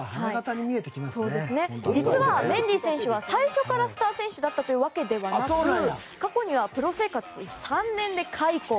実はメンディ選手は最初からスター選手だったわけではなく過去にはプロ生活３年で解雇。